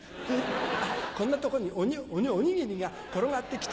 「あっこんなとこにおにぎりが転がってきた」。